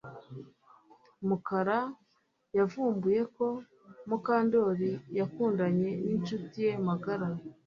Mukara yavumbuye ko Mukandoli yakundanye nincuti ye magara